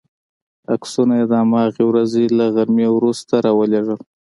عکسونه یې د هماغې ورځې له غرمې وروسته را ولېږل.